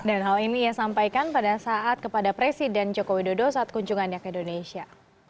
dan hal ini ia sampaikan pada saat kepada presiden joko widodo saat kunjungannya ke indonesia